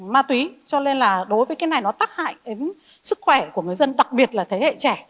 ma túy cho nên là đối với cái này nó tác hại đến sức khỏe của người dân đặc biệt là thế hệ trẻ